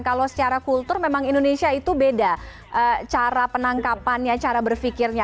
kalau secara kultur memang indonesia itu beda cara penangkapannya cara berpikirnya